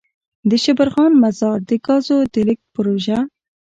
دشبرغان -مزار دګازو دلیږد پروژه.